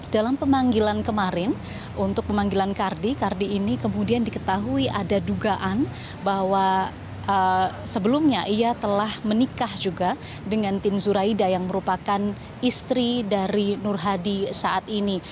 dalam pemanggilan kemarin untuk pemanggilan kardi kardi ini kemudian diketahui ada dugaan bahwa sebelumnya ia telah menikah juga dengan tin zuraida yang merupakan istri dari nur hadi saat ini